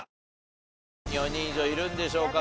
４人以上いるんでしょうか？